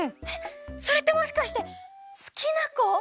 えっそれってもしかしてすきなこ！？